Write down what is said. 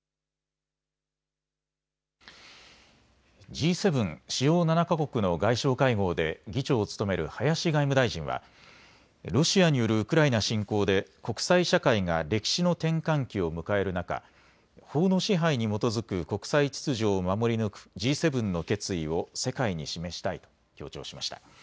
Ｇ７・主要７か国の外相会合で議長を務める林外務大臣はロシアによるウクライナ侵攻で国際社会が歴史の転換期を迎える中、法の支配に基づく国際秩序を守り抜くＧ７の決意を世界に示したいと強調しました。